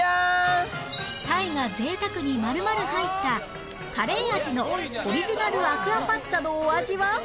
タイが贅沢に丸々入ったカレー味のオリジナルアクアパッツァのお味は？